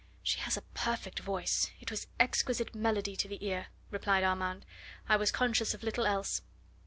"She has a perfect voice it was exquisite melody to the ear," replied Armand. "I was conscious of little else."